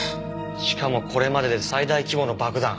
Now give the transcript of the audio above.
しかもこれまでで最大規模の爆弾。